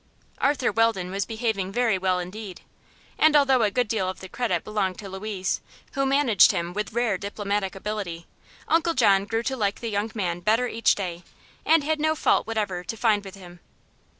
Arthur Weldon was behaving very well indeed; and although a good deal of the credit belonged to Louise, who managed him with rare diplomatic ability, Uncle John grew to like the young man better each day, and had no fault whatever to find with him.